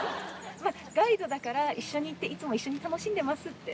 まあ、ガイドだから、一緒に行って、いつも一緒に楽しんでますって。